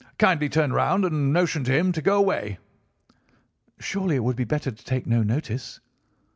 Kindly turn round and motion to him to go away.' "'Surely it would be better to take no notice.